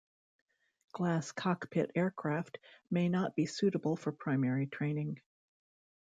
Glass cockpit aircraft may not be suitable for primary training.